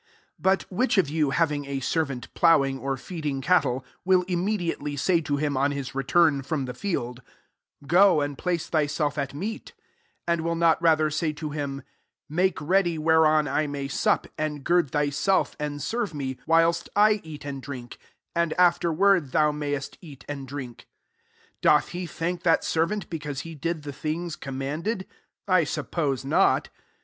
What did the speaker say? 7 " But which of you, having iierrant ploughing, or feeding Civile, will immediately say to tt|l on his return from the Wd, ' Go, and place thyself at MmV 8 and will not rather Hf to him, * Make ready where it { may sup, and gird thyself, |ld serve me, whilst I eat and Iftek; and afterward thou auiyest eat and drink P' 9 Doth li thank that servant, because k ^d the things commanded ? I suppose not.